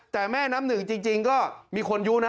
แต่แม่น้ำหนึ่งจริงก็มีคนยุนะ